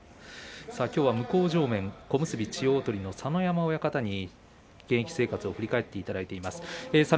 きょうは向正面小結千代鳳の佐ノ山親方に現役生活を振り返っていただいています。